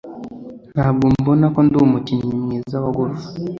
Ntabwo mbona ko ndi umukinnyi mwiza wa golf.